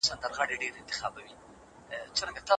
ځینې یې کولای شي کیسې وژباړي.